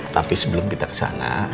tapi sebelum kita kesana